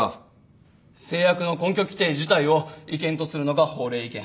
制約の根拠規定自体を違憲とするのが法令違憲。